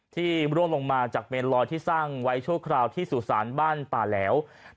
ร่วงลงมาจากเมนลอยที่สร้างไว้ชั่วคราวที่สุสานบ้านป่าแหลว